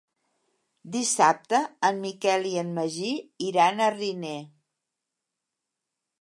Dissabte en Miquel i en Magí iran a Riner.